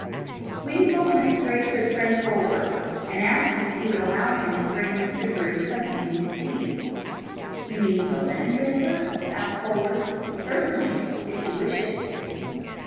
Wingfold went straight to his friend Polwarth, and asked him if he would allow him to bring Mr. Drew some evening to tea. "You mean the linen draper?" asked Polwarth. "Certainly, if you wish it."